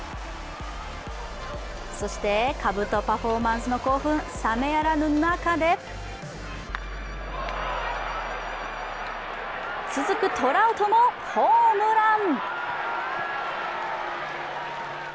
そして、かぶとパフォーマンスも興奮冷めやらぬ中で続くトラウトもホームラン。